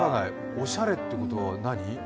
おしゃれってことは何？